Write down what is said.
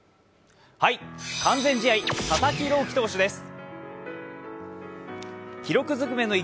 完全試合、佐々木朗希投手です。